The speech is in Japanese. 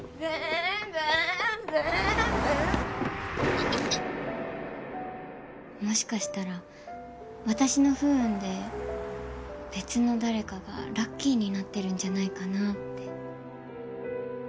あいてっもしかしたら私の不運で別の誰かがラッキーになってるんじゃないかなって。